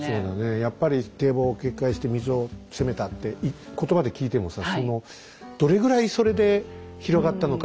やっぱり堤防を決壊して水を攻めたって言葉で聞いてもさどれぐらいそれで広がったのか。